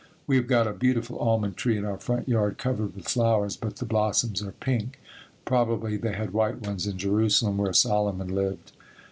We have got a beautiful almond tree in our front yard covered with flowers, but the blossoms are pink. Probably they had white ones in Jerusalem, where Solomon lived.